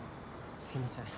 すいません。